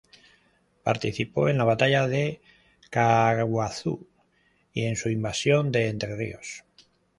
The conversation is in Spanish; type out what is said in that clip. Participó en la batalla de Caaguazú y en su invasión de Entre Ríos.